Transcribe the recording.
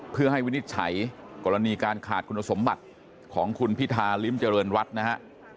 เพื่อให้วินิจฉัยกรณีการขาดคุณสมบัติของคุณพิธาริมเจริญรัฐนะฮะ